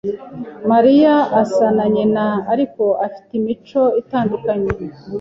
Mariya asa na nyina, ariko afite imico itandukanye.